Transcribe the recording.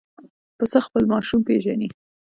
پسه خپل ماشوم پېژني.